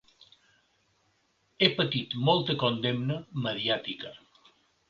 He patit molta condemna mediàtica.